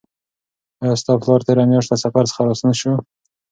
آیا ستا پلار تېره میاشت له سفر څخه راستون شو؟